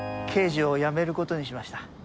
刑事を辞めることにしました